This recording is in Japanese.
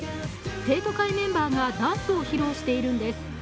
生徒会メンバーがダンスを披露しているんです。